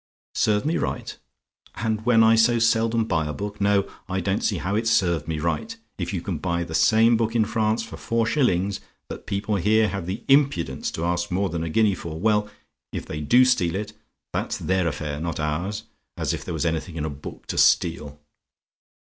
"SERVED ME RIGHT? "And when I so seldom buy a book! No: I don't see how it served me right. If you can buy the same book in France for four shillings that people here have the impudence to ask more than a guinea for well, if they DO steal it, that's their affair, not ours. As if there was anything in a book to steal!